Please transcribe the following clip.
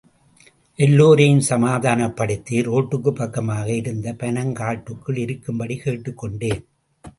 எல்லோரையும் சமாதானப்படுத்தி ரோட்டுக்கு பக்கமாக இருந்த பனங்காட்டுக்குள் இருக்கும்படி கேட்டுக் கொண்டேன்.